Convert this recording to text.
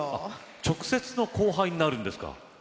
直接の後輩になるんですか？